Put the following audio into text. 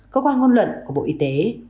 cơ quan ngôn luận của bộ y tế